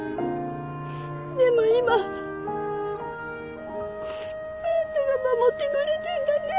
でも今あんたが守ってくれてんだね